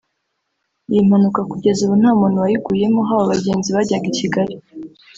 Iyi mpanuka kugeza ubu nta muntu wayiguyemo haba abagenzi bajyaga i Kigali